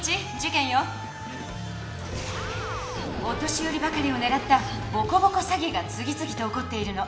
お年よりばかりをねらったボコボコ詐欺が次つぎと起こっているの。